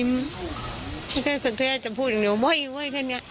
เมื่อกันจะจะพูดแบบไหวแค่เนี่ย